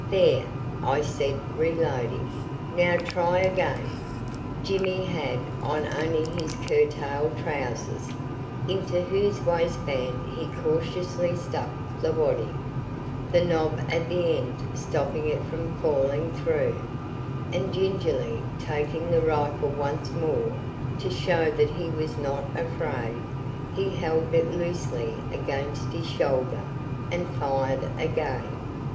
"There," I said, reloading. "Now, try again." Jimmy had on only his curtailed trousers, into whose waistband he cautiously stuck the waddy, the knob at the end stopping it from falling through, and gingerly taking the rifle once more to show that he was not afraid, he held it loosely against his shoulder and fired again.